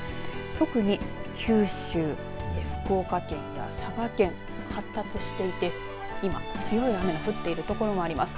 特に九州福岡県や佐賀県、発達していて今、強い雨が降っている所もあります。